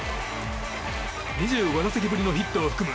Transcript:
２５打席ぶりのヒットを含む